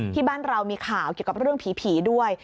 ที่บ้านเรามีข่าวเกี่ยวกับเรื่องผีด้วย